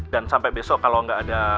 dan sampai besok kalau nggak ada